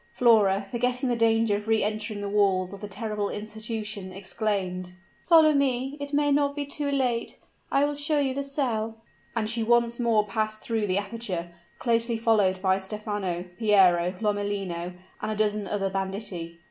Flora, forgetting the danger of re entering the walls of the terrible institution, exclaimed, "Follow me it may not be too late I will show you the cell " And she once more passed through the aperture, closely followed by Stephano, Piero, Lomellino, and a dozen other banditti.